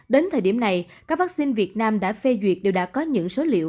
đến thời điểm này các vắc xin việt nam đã phê duyệt đều đã có những số liệu